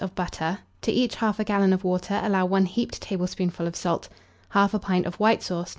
of butter; to each 1/2 gallon of water allow 1 heaped tablespoonful of salt, 1/2 pint of white sauce, No.